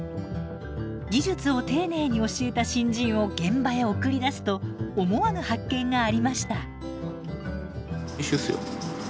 技術を丁寧に教えた新人を現場へ送り出すと思わぬ発見がありました。